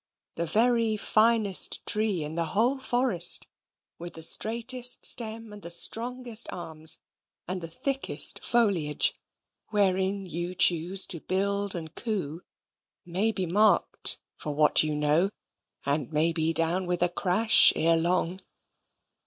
The very finest tree in the whole forest, with the straightest stem, and the strongest arms, and the thickest foliage, wherein you choose to build and coo, may be marked, for what you know, and may be down with a crash ere long.